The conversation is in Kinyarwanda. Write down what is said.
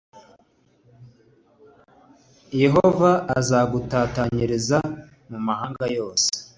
yehova azagutatanyiriza mu mahanga yose,